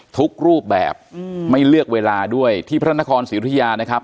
ทุกรูปแบบไม่เลือกเวลาด้วยที่พระนครศรีอุทยานะครับ